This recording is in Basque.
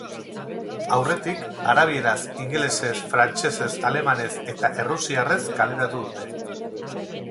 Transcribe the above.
Aurretik, arabieraz, ingelesez, frantsesez, alemanez eta errusiarrez kaleratu dute.